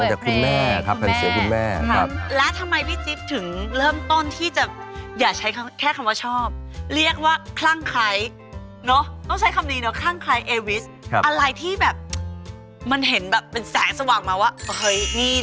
เฮ้ยนี่แหละนี่แหละใช่เลย